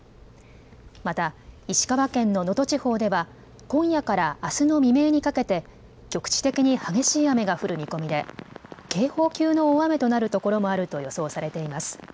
また石川県の能登地方では今夜からあすの未明にかけて局地的に激しい雨が降る見込みで警報級の大雨となるところもあると予想されています。